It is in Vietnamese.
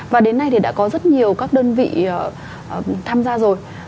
và đến nay thì đã có rất nhiều các đơn vị tham gia rồi